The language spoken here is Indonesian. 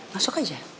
masuk aja masuk